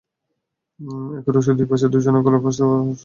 একই রশির দুই পাশে দুজনের গালায় ফাঁস দেওয়া অবস্থায় লাশ দুটি ঝুলছিল।